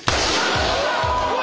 うわ！